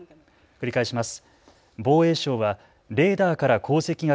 繰り返します。